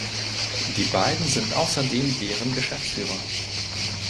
Die beiden sind außerdem deren Geschäftsführer.